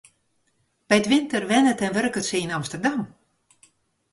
By 't winter wennet en wurket se yn Amsterdam.